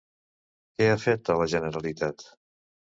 Què ha fet a la Generalitat?